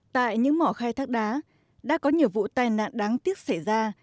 tại những mỏ khai thác đá đã có nhiều vụ tai nạn đáng tiếc xảy ra